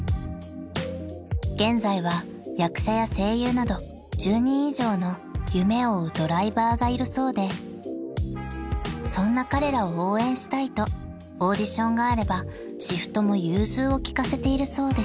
［現在は役者や声優など１０人以上の夢追うドライバーがいるそうでそんな彼らを応援したいとオーディションがあればシフトも融通を利かせているそうです］